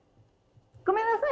ごめんなさい！